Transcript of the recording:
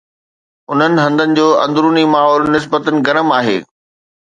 انهن هنڌن جو اندروني ماحول نسبتا گرم آهي